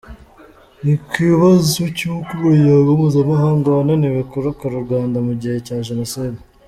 Ku kibazo cy’uko Umuryango mpuzamahanga wananiwe kurokora u Rwanda mu gihe cya jenoside.